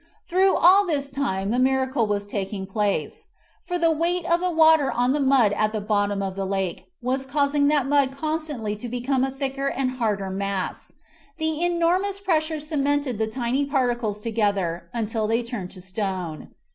Through all this time the miracle was taking place. For the weight of the water on the mud at the bottom of the lake was causing that mud constantly to become a thicker and harder mass. The enormous pressure cemented the tiny particles together until they turned to stone.